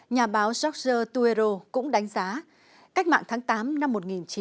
nhà báo george tuero cũng đánh giá cách mạng tháng tám năm một nghìn chín trăm bốn mươi năm